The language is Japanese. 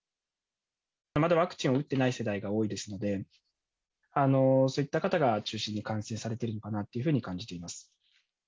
まだワクチンを打ってない世代が多いですので、そういった方が中心に感染されてるのかなというふうに感じています。